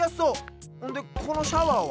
ほんでこのシャワーは？